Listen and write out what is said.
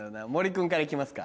君から行きますか。